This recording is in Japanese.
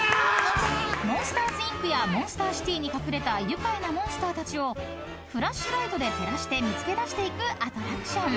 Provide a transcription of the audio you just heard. ［モンスターズ・インクやモンスター・シティに隠れた愉快なモンスターたちをフラッシュライトで照らして見つけだしていくアトラクション］